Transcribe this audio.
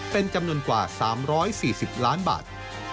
เป็นจำนวนกว่า๓๔๐ล้านบาท